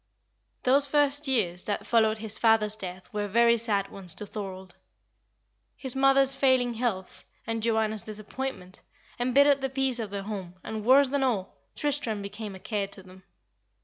Those first few years that followed his father's death were very sad ones to Thorold. His mother's failing health, and Joanna's disappointment, embittered the peace of their home; and, worse than all, Tristram became a care to them.